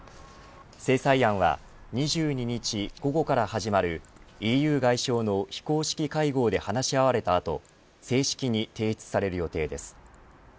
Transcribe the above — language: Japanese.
制裁案は、２２日午後から始まるＥＵ外相の非公式会合で話し合われた後正式に提出される予定です。